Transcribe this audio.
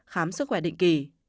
chín khám sức khỏe định kỳ